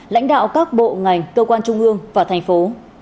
lãnh đạo các bộ ngành cơ quan trung ương và thành phố